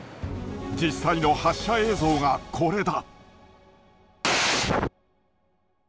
実際の発射映像がこれだ。